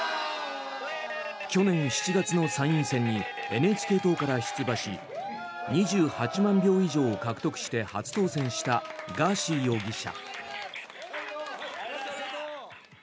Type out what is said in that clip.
去年７月の参院選にＮＨＫ党から出馬し２８万票以上獲得して初当選したガーシー容疑者。